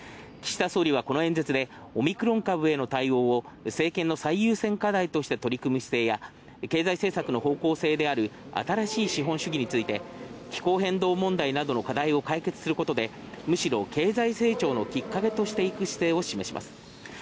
岸田総理はこの演説でオミクロン株への対応を政権の最優先課題として取り組む姿勢や経済政策の方向性である新しい資本主義について、気候変動問題などの課題を解決することでむしろ経済成長のきっかけとしていく姿勢を示します。